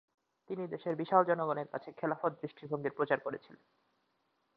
তিনি দেশের বিশাল জনগণের কাছে খেলাফত দৃষ্টিভঙ্গির প্রচার করেছিলেন।